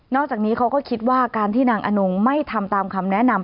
จากนี้เขาก็คิดว่าการที่นางอนงไม่ทำตามคำแนะนำ